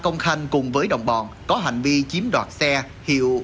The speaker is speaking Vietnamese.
công khanh cùng với đồng bọn có hành vi chiếm đoạt xe hiệu